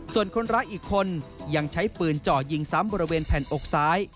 ส่วนคนร้ายอีกคนยังใช้ปืนเจาะยิงซ้ำบริเวณแผ่นอกซ้าย